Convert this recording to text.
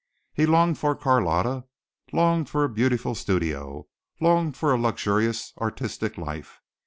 He longed for Carlotta, longed for a beautiful studio, longed for a luxurious, artistic life.